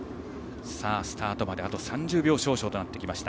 スタートまであと３０秒少々となってきました。